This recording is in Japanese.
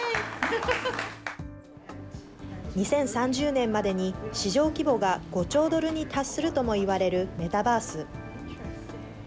２０３０年までに、市場規模が５兆ドルに達するともいわれるメタバース。